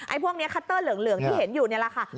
พวกนี้คัตเตอร์เหลืองที่เห็นอยู่นี่แหละค่ะ